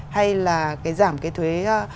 hay là giảm cái thuế